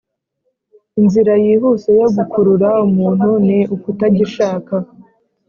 inzira yihuse yo gukurura umuntu ni ukutagishaka.